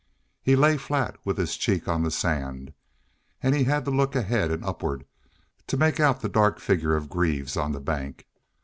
He lay flat, with his cheek on the sand, and he had to look ahead and upward to make out the dark figure of Greaves on the bank.